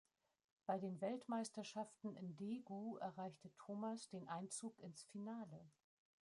Bei den Weltmeisterschaften in Daegu erreichte Thomas den Einzug ins Finale.